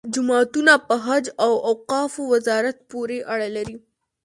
جوماتونه په حج او اوقافو وزارت پورې اړه لري.